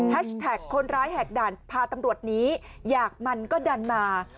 แท็กคนร้ายแหกด่านพาตำรวจหนีอยากมันก็ดันมา